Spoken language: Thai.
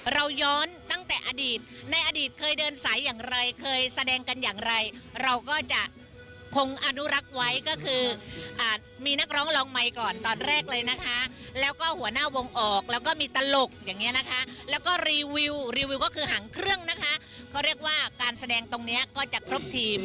เราย้อนตั้งแต่อดีตในอดีตเคยเดินสายอย่างไรเคยแสดงกันอย่างไรเราก็จะคงอนุรักษ์ไว้ก็คือมีนักร้องลองใหม่ก่อนตอนแรกเลยนะคะแล้วก็หัวหน้าวงออกแล้วก็มีตลกอย่างเงี้ยนะคะแล้วก็รีวิวรีวิวก็คือหางเครื่องนะคะเขาเรียกว่าการแสดงตรงเนี้ยก็จะครบทีม